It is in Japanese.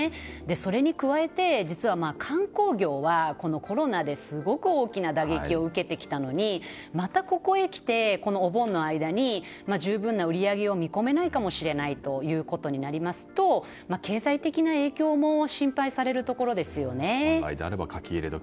それに加えて実は観光業はコロナで大きな打撃を受けてきたのにまたここへ来て、お盆の間に十分な売り上げを見込めないかもしれないということになりますと経済的な影響も心配されるところですよね。